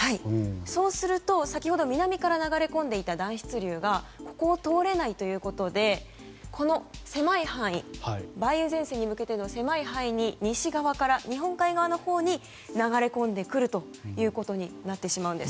そうすると、先ほど南から流れ込んでいた暖湿流がここを通れないということで梅雨前線に向けての狭い範囲に西側から日本海側のほうに流れ込んできてしまうんです。